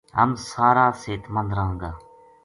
ہم سارا صحت مند راہاں گا